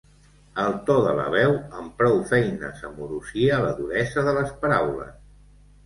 El to de la veu amb prou feines amorosia la duresa de les paraules.